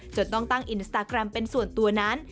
จนต้องตั้งอินสตาแกรมเป็นส่วนตัวนั้น